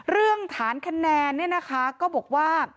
เรื่องฐานคะแนนเนี่ยนะคะก็บอกว่า